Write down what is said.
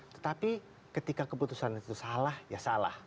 tetapi ketika keputusan itu salah ya salah